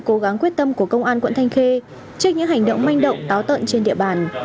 cố gắng quyết tâm của công an quận thanh khê trước những hành động manh động táo tợn trên địa bàn